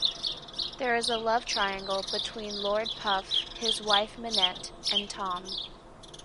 There is a love triangle between Lord Puff, his wife Minette, and Tom.